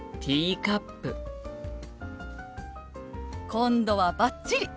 今度はバッチリ！